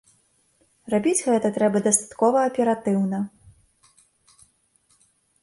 Рабіць гэта трэба дастаткова аператыўна.